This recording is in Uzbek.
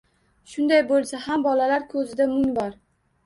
Shunday bo‘lsa ham bolalar ko‘zida mung bor.